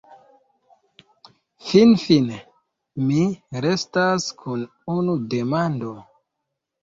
Finfine, mi restas kun unu demando.